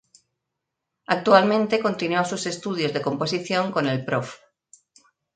Actualmente continúa sus estudios de composición con el Prof.